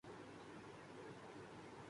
میں نے اپنی زندگی میں کئی مقامات دیکھے ہیں۔